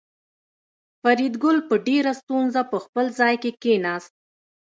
فریدګل په ډېره ستونزه په خپل ځای کې کېناست